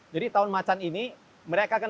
jadi tahun macan ini mereka akan